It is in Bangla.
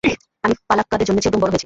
আমি পালাক্কাদে জন্মেছি এবং বড় হয়েছি।